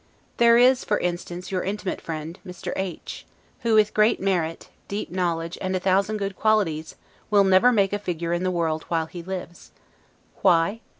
There is, for instance, your intimate friend, Mr. H , who with great merit, deep knowledge, and a thousand good qualities, will never make a figure in the world while he lives. Why?